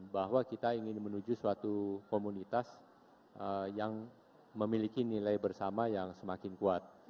bahwa kita ingin menuju suatu komunitas yang memiliki nilai bersama yang semakin kuat